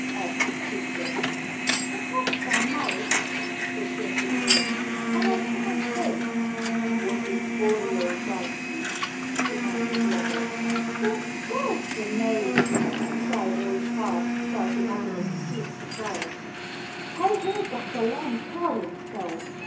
asked the Tinker. "Perhaps I might," returned the dwarf; "but I can't say." "Wos it Auriol Darcy?" demanded the other. "That was the name," cried Old Parr, starting up in extreme surprise. "I heard Doctor Lamb call him so.